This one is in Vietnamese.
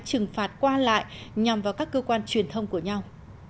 trừng phạt qua lại nhằm vào các cơ quan truyền thông của nhau